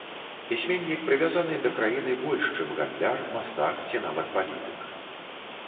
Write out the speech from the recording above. Пісьменнік прывязаны да краіны больш, чым гандляр, мастак ці нават палітык.